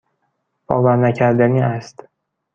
باورنکردنی است.